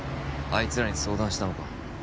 いつらに相談したのか？